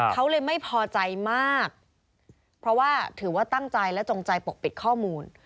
เขาเลยไม่พอใจมากเพราะว่าถือว่าตั้งใจและจงใจปกปิดข้อมูล